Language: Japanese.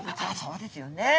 そうですよね。